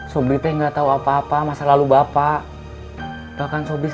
sobri teh nggak tahu apa apa masa lalu bapak